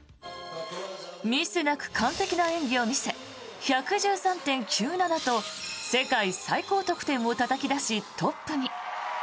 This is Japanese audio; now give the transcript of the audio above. ミスなく完璧な演技を見せ１１３．９７と世界最高得点をたたき出しトップに。